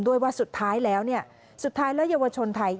ว่าสุดท้ายแล้วสุดท้ายแล้วเยาวชนไทย